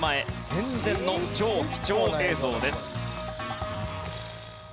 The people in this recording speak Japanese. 戦前の超貴重映像です。